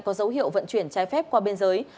có dấu hiệu vận chuyển trái phép qua biên giới